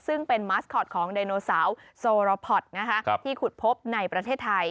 ซึ่งเป็นมาสคอตของไดโนเสาร์โซโรพอตที่ขุดพบในประเทศไทย